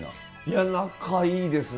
仲いいですね。